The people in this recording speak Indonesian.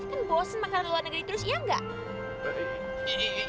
kan bosen makan di luar negeri terus iya nggak